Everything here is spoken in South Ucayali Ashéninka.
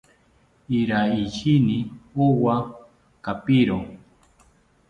Iraiyini owa kapiro